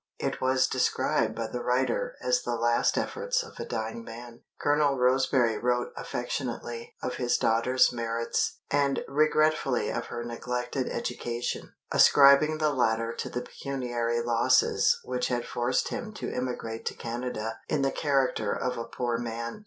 It was described by the writer as the last efforts of a dying man. Colonel Roseberry wrote affectionately of his daughter's merits, and regretfully of her neglected education ascribing the latter to the pecuniary losses which had forced him to emigrate to Canada in the character of a poor man.